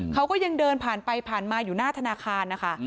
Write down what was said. เขาก็ยังเดินผ่านไปผ่านมาอยู่หน้าธนาคารนะคะ